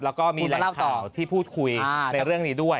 แล้วก็มีแหล่งข่าวที่พูดคุยในเรื่องนี้ด้วย